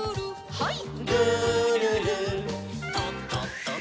はい。